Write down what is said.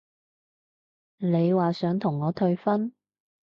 你話想同我退婚？